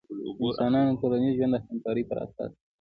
د انسانانو ټولنیز ژوند د همکارۍ پراساس دی.